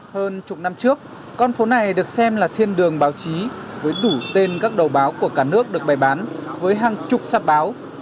hơn chục năm trước con phố này được xem là thiên đường báo chí với đủ tên các đầu báo của cả nước được bày bán với hàng chục sắp báo